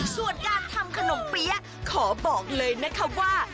ส่วนการทำขนมเปี๊ยะขอบอกเลยนะคะว่า